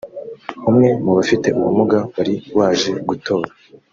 umwe mu bafite ubumuga wari waje gutora